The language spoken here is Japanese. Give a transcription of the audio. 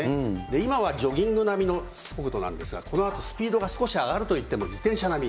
今はジョギング並みの速度なんですが、このあとスピードが少し上がるといっても自転車並み。